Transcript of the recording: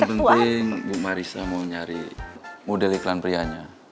yang penting bu marisa mau nyari model iklan prianya